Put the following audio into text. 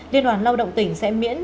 liên đoàn lao động tỉnh sẽ miễn